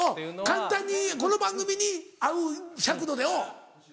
簡単にこの番組に合う尺度で。